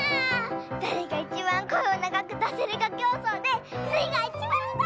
だれがいちばんこえをながくだせるかきょうそうでスイがいちばんだ！